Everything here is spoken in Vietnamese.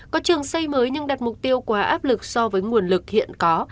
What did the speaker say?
có trường xây mới nhưng đặt mục tiêu quá áp lực so với nguồn lực hiện có